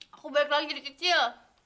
aku balik lagi jadi kecil